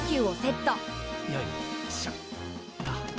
よいしょっと。